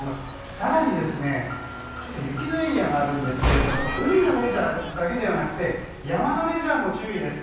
更に雪のエリアがあるんですが海のレジャーだけではなく山のレジャーも注意です。